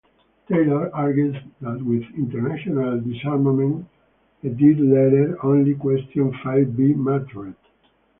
Taylor argues that with international disarmament a dead letter, only question five-B mattered.